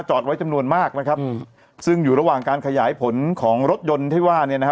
จอดไว้จำนวนมากนะครับซึ่งอยู่ระหว่างการขยายผลของรถยนต์ที่ว่าเนี่ยนะฮะ